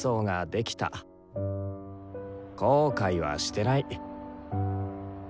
後悔はしてない。